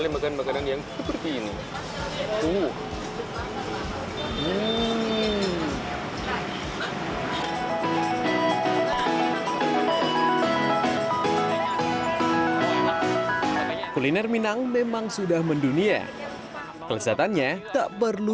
makan makan yang seperti ini tuh kuliner minang memang sudah mendunia kelesetannya tak perlu